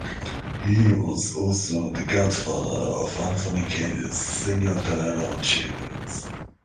He was also the godfather of Anthony Kiedis, singer of the Red Hot Chili Peppers.